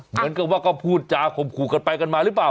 เหมือนกับว่าก็พูดจาข่มขู่กันไปกันมาหรือเปล่า